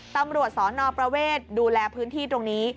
ตำรวจสนประเวทดูแลพื้นที่ตรงนี้